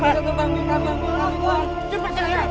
saya ingin meminjam